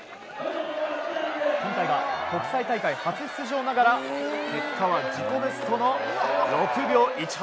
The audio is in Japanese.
今回が国際大会初出場ながら結果は自己ベストの６秒１８。